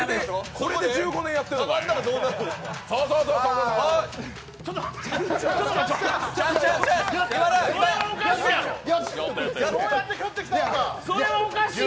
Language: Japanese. これで１５年やってるのかい。